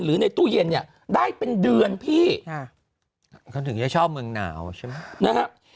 หรือในตู้เย็นได้เป็นเดือนพี่คณถึงจะชอบเมืองหนาวใช่ไหมนะฮะ